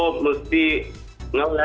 jangan pake kata pria